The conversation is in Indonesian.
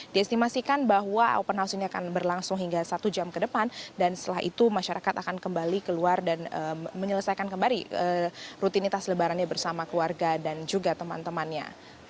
diestimasikan bahwa open house ini akan berlangsung hingga satu jam ke depan dan setelah itu masyarakat akan kembali keluar dan menyelesaikan kembali rutinitas lebarannya bersama keluarga dan juga teman temannya